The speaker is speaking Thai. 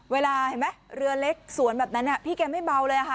เวลาเห็นไหมเรือเล็กสวนแบบนั้นพี่แกไม่เบาเลยค่ะ